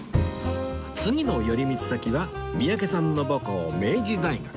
次の寄り道先は三宅さんの母校明治大学